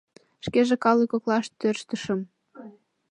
Шкеже калык коклаш тӧрштышым.